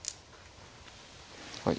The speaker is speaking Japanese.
はい。